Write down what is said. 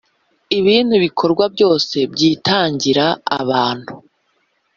ibindi bikorwa byose byitangira abantu